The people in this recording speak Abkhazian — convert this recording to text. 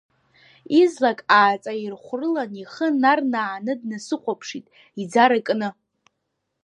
Излак ааҵаирхәрылан ихы нарнааны днасыхәаԥшит, иӡара кны.